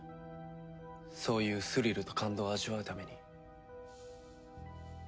そういうスリルと感動を味わうために。